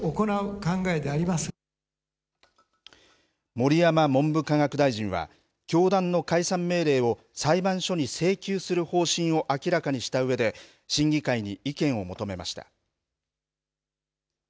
盛山文部科学大臣は教団の解散命令を裁判所に請求する方針を明らかにしたうえで審議会に意見を求めました。